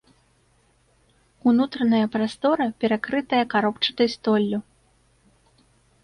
Унутраная прастора перакрытая каробчатай столлю.